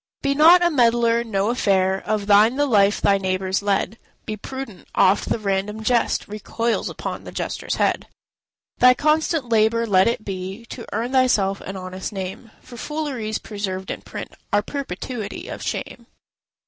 Be not a meddler; no affair Of thine the life thy neighbours lead: Be prudent; oft the random jest Recoils upon the jester's head. Thy constant labour let it be To earn thyself an honest name, For fooleries preserved in print Are perpetuity of shame.